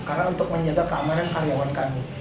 karena untuk menjaga keamanan karyawan kami